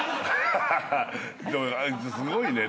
すごいね。